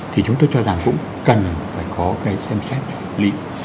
thì chúng tôi cho rằng cũng cần phải có cái xem xét lị